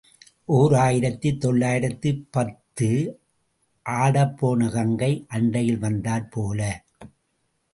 ஓர் ஆயிரத்து தொள்ளாயிரத்து பத்து ஆடப்போன கங்கை அண்டையில் வந்தாற் போல.